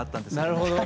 なるほど。